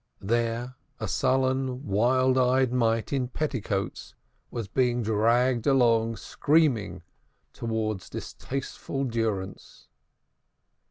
There a sullen wild eyed mite in petticoats was being dragged along, screaming, towards distasteful durance.